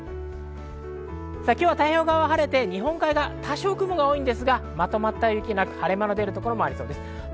今日は太平洋側は晴れて、日本海側は多少、雲が多いですが、まとまった雪がなく、晴れ間のところがありそうです。